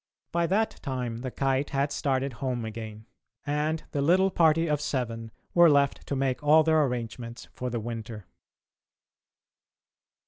By that time the Kite had started home again, and the little party of seven were left to make all their arrangements for the winter.